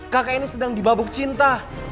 kakak ini sedang dibabuk cinta